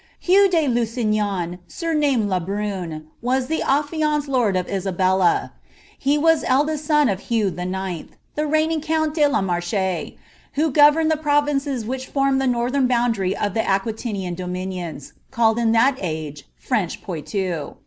Hugh de Lusignan, sumamed Le Brun,' was ihe affianced lotd.of li belta. He was eldest son of Hugh )X., the reigning count de ]» Jifamk who governed the provinces which formed ihe northern boDwIiry of l| Aquitanian dominions, called in that age French Poilou.